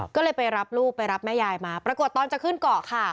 ก็เลยไปรับลูกไปรับแม่ยายมาปรากฏตอนจะขึ้นเกาะค่ะ